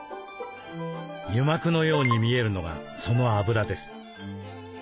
油膜のように見えるのがその脂です。